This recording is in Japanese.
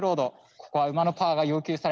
ここは馬のパワーが要求され